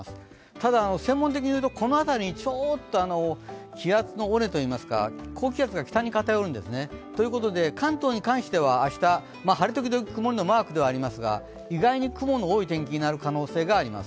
ただ、専門的に言うと、この辺りにちょっと気圧の尾根といいますか高気圧が北に偏るんですね。ということで関東に関しては明日、晴れ時々くもりのマークではありますが、意外に雲の多い天気になる可能性があります。